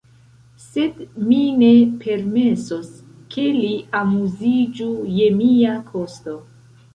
Sed mi ne permesos, ke li amuziĝu je mia kosto!